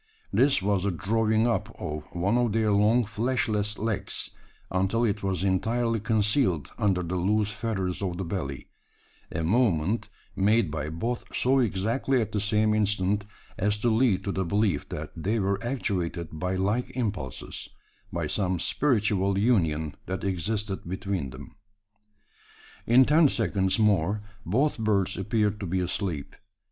This was the drawing up of one of their long fleshless legs, until it was entirely concealed under the loose feathers of the belly a movement made by both so exactly at the same instant, as to lead to the belief that they were actuated by like impulses, by some spiritual union that existed between them! In ten seconds more both birds appeared to be asleep.